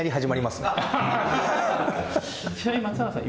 ちなみに松坂さん